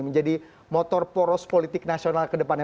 menjadi motor poros politik nasional ke depannya